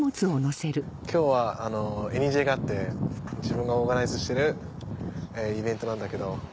今日はＥＮＩＪＥがあって自分がオーガナイズしてるイベントなんだけど。